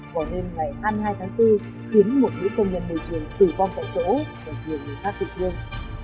vào đêm ngày hai mươi hai tháng bốn khiến một nữ công nhân môi trường tử vong tại chỗ và nhiều người khác bị thương